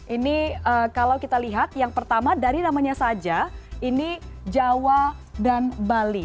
ini kalau kita lihat yang pertama dari namanya saja ini jawa dan bali